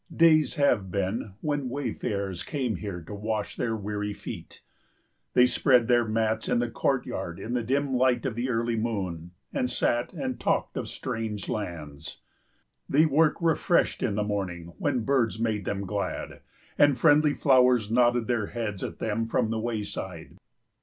Days have been when wayfarers came here to wash their weary feet. They spread their mats in the courtyard in the dim light of the early moon, and sat and talked of strange lands. They work refreshed in the morning when birds made them glad, and friendly flowers nodded their heads at them from the wayside.